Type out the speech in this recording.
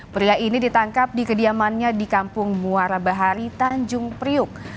pria ini ditangkap di kediamannya di kampung muara bahari tanjung priuk